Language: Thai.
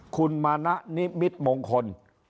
คุณมานะนิมิตมงคล